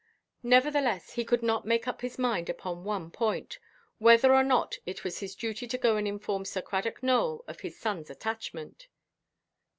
Nevertheless, he could not make up his mind upon one point—whether or not it was his duty to go and inform Sir Cradock Nowell of his sonʼs attachment.